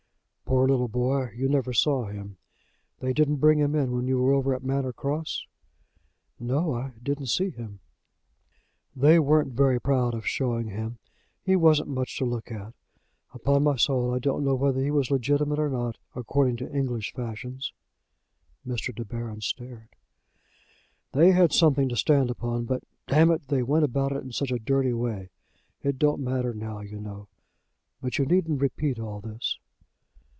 "Poor little boy! You never saw him. They didn't bring him in when you were over at Manor Cross?" "No; I didn't see him." "They weren't very proud of showing him. He wasn't much to look at. Upon my soul I don't know whether he was legitimate or not, according to English fashions." Mr. De Baron stared. "They had something to stand upon, but, damn it, they went about it in such a dirty way! It don't matter now, you know, but you needn't repeat all this."